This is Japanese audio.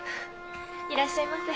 いらっしゃいませ。